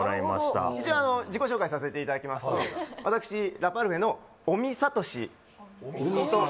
なるほど一応自己紹介させていただきますと私ラパルフェの尾身さん？